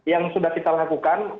yang sudah kita lakukan